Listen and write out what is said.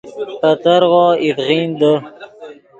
پے ترغو اِڤغین دے